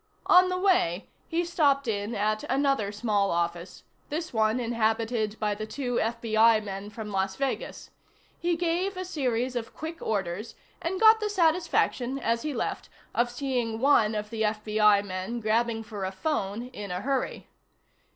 On the way, he stopped in at another small office, this one inhabited by the two FBI men from Las Vegas. He gave a series of quick orders, and got the satisfaction, as he left, of seeing one of the FBI men grabbing for a phone in a hurry.